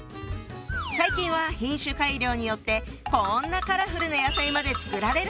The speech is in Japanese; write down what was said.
最近は品種改良によってこんなカラフルな野菜まで作られるほどに。